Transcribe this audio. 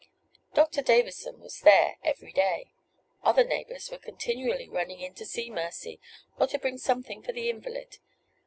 Doctor Davison was there every day. Other neighbors were continually running in to see Mercy, or to bring something for the invalid.